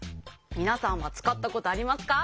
みなさんはつかったことありますか？